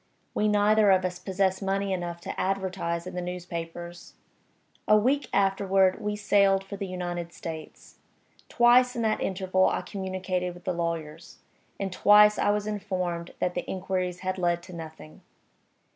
We neither of us possessed money enough to advertise in the newspapers. A week afterward we sailed for the United States. Twice in that interval I communicated with the lawyers; and twice I was informed that the inquiries had led to nothing.